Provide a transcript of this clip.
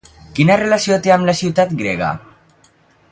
Quina relació té amb la ciutat grega?